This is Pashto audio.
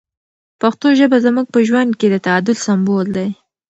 پښتو ژبه زموږ په ژوند کې د تعادل سمبول دی.